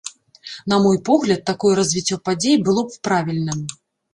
На мой погляд, такое развіццё падзей было б правільным.